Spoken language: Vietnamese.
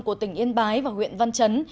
của tỉnh yên bái và huyện văn chấn